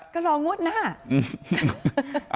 ก็รองวดหน้า